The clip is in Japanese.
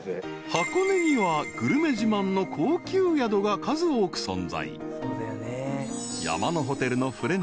［箱根にはグルメ自慢の高級宿が数多く存在］